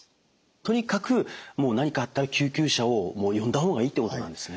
とにかくもう何かあったら救急車を呼んだ方がいいということなんですね。